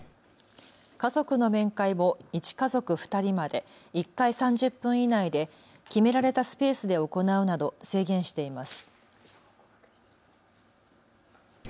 家族の面会も１家族２人まで１回３０分以内で決められたスペースで行うなど制限しています。